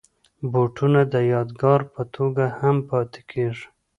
بوټونه د یادګار په توګه هم پاتې کېږي.